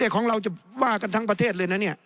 แต่ของเราจะบ้านกันทั้งประเทศเลย